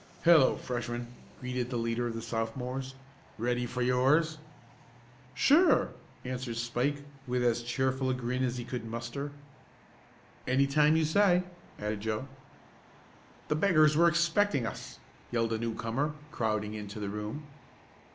"Hello, Freshmen!" greeted the leader of the Sophomores. "Ready for yours?" "Sure," answered Spike with as cheerful a grin as he could muster. "Any time you say," added Joe. "The beggars were expecting us!" yelled a newcomer, crowding into the room.